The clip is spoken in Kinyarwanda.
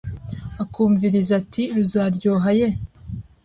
akumviriza ati ruzaryoha ye